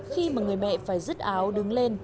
khi mà người mẹ phải rứt áo đứng lên